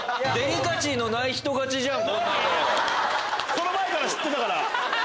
その前から知ってたから！